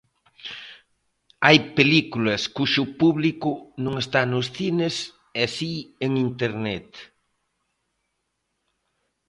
Hai películas cuxo público non está nos cines e si en Internet.